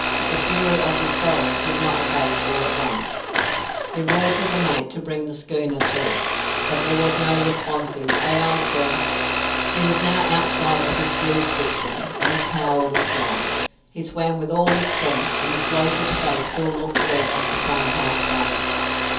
The fury of his soul did not abate all at once. He roared to the mate to bring the schooner to, but there was no responsive "Aye, aye, sir." He was now outside of his jurisdiction, and his power was gone. He swam with all his strength, and his bloated face still looked red as the foam passed by it.